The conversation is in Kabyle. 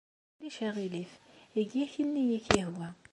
Ulac aɣilif. Eg akken ay ak-yehwa.